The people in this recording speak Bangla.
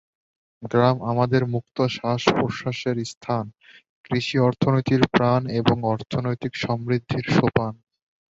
গ্রাম আমাদের মুক্ত শ্বাস-প্রশ্বাসের স্থান, কৃষি অর্থনীতির প্রাণ এবং অর্থনৈতিক সমৃদ্ধির সোপান।